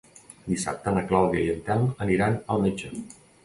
Dissabte na Clàudia i en Telm aniran al metge.